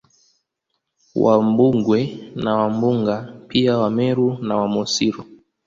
Wambugwe na Wambunga pia Wameru na Wamosiro